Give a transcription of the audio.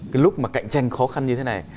cái lúc mà cạnh tranh khó khăn như thế này